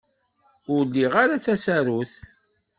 Ur liɣ ara tasarut.